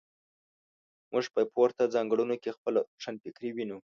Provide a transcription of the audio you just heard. موږ په پورته ځانګړنو کې خپله روښانفکري وینو.